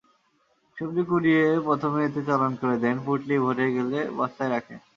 সবজি কুড়িয়ে প্রথমে এতে চালান করে দেন, পুঁটলি ভরে গেলে বস্তায় রাখেন।